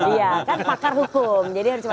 iya kan pakar hukum